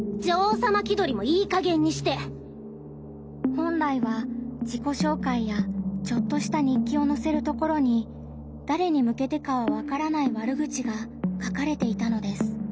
本来は自己紹介やちょっとした日記をのせるところにだれにむけてかは分からない悪口が書かれていたのです。